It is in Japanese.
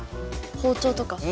包丁とか。